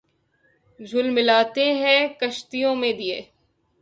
جھلملاتے ہیں کشتیوں میں دیے